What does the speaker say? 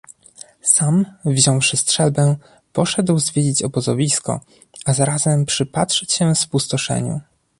Sam, wziąwszy strzelbę, poszedł zwiedzić obozowisko, a zarazem przypatrzyć się spustoszeniu.